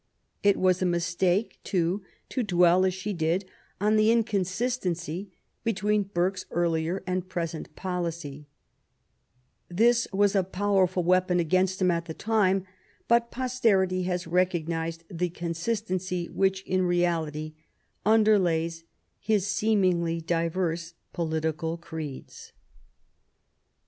It was a mistake, too, to dwell, as she did, on the incon sistency between Burke^s earlier and present policy* This was a powerful weapon against him at the time^ but posterity has recognized the consistency which^ in reality, underlays his seemingly diverse political creeds.